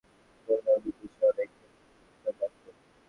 সচেতন ব্যক্তিরা একে অস্বাভাবিক বললেও আমাদের দেশে অনেক ক্ষেত্রেই এটা বাস্তব।